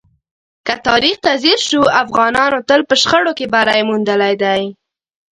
که تاریخ ته ځیر شو، افغانانو تل په شخړو کې بری موندلی دی.